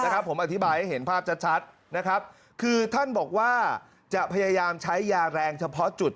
ผมอธิบายให้เห็นภาพชัดนะครับคือท่านบอกว่าจะพยายามใช้ยาแรงเฉพาะจุด